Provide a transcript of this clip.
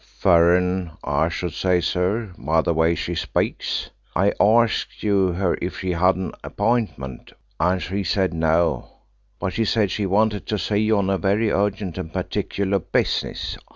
"Furren, I should say, sir, by the way she speaks. I arskt her if she had an appointment, and she said no, but she said she wanted to see you on very urgent and particular business.